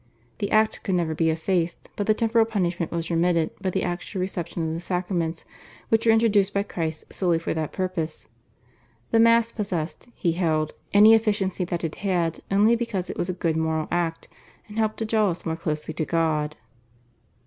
The act could never be effaced, but the temporal punishment was remitted by the actual reception of the sacraments, which were introduced by Christ solely for that purpose. The Mass possessed, he held, any efficacy that it had only because it was a good moral act and helped to draw us more closely to God. Denzinger, op. cit., nos. 1001 1080.